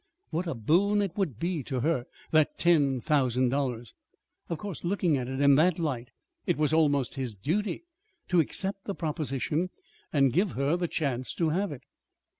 What a boon it would be to her that ten thousand dollars! Of course, looking at it in that light, it was almost his duty to accept the proposition, and give her the chance to have it.